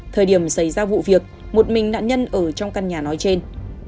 thời điểm xảy ra vụ việc một mình nạn nhân ở trong căn nhà nói trên